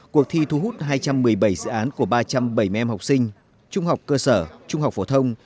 cuộc thi thu hút hai trăm một mươi bảy dự án của ba trăm bảy mươi em học sinh trung học cơ sở trung học phổ thông